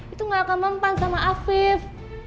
itu gak akan mempan sama afif